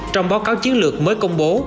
trong báo cáo chiến lược mới công bố